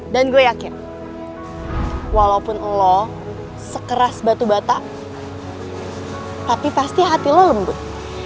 dan gue yakin walaupun lo sekeras batu bata tapi pasti hati lo lembut